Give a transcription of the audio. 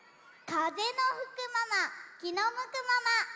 かぜのふくままきのむくまま。